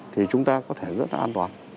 thì chúng ta có thể rất là an toàn